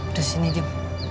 udah sini diem